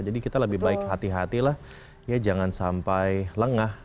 jadi kita lebih baik hati hatilah ya jangan sampai lengah